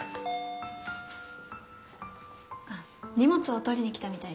あっ荷物を取りに来たみたいです。